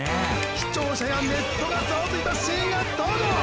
・視聴者やネットがざわついたシーンが登場。